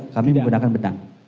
kami menggunakan benang